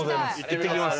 行ってきます。